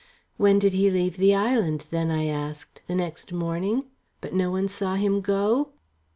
"When did he leave the island, then?" I asked. "The next morning? But no one saw him go?"